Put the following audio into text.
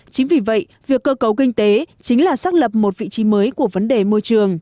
chính vì vậy việc cơ cấu kinh tế chính là xác lập một vị trí mới của vấn đề môi trường